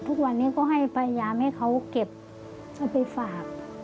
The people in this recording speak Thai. ทุกวันนี้ก็ให้พยายามให้เขาเก็บเอาไปฝาก